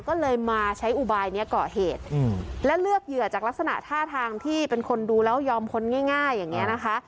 ก็เลยมาใช้อุบายเนี้ยก่อเหตุและเลือกเหยื่อจากลักษณะท่าทางที่เป็นคนดูแล้วยอมพ้นง่ายอย่างนี้นะคะ